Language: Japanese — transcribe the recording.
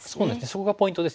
そこがポイントですよね。